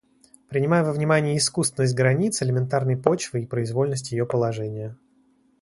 Принимая во внимание искусственность границ элементарной почвы и произвольность ее положения